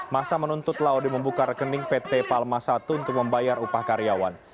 masa menuntut laode membuka rekening pt palma i untuk membayar upah karyawan